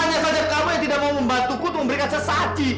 hanya saja kamu yang tidak mau membantuku itu memberikan sesaji